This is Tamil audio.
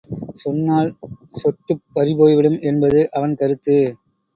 சொன்னால் சொத்துப் பறிபோய்விடும் என்பது அவன் கருத்து.